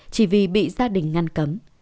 chỉ vì bị gia đình ngăn cấm